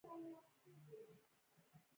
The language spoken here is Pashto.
فکر مې وکړ چې دا مې بې عقلي وه.